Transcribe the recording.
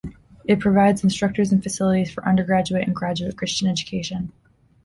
It provides instructors and facilities for undergraduate and graduate Christian education.